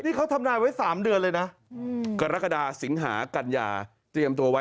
นี่เขาทำนายไว้๓เดือนเลยนะกรกฎาสิงหากัญญาเตรียมตัวไว้